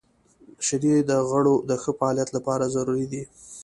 • شیدې د غړو د ښه فعالیت لپاره ضروري دي.